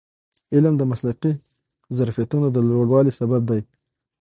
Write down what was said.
علم د مسلکي ظرفیتونو د لوړوالي سبب دی.